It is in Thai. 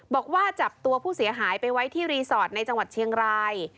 บอกว่าจับตัวผู้เสียหายไปไว้ที่รีสอร์ทในจังหวัดเชียงราย